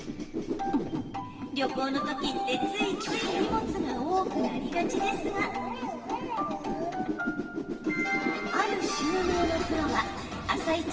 旅行の時って、ついつい荷物が多くなりがちですがある収納のプロは「あさイチ」